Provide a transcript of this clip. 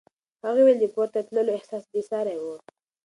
هغې وویل د پورته تللو احساس بې ساری و.